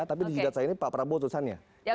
tapi di jidat saya ini pak prabowo tulisannya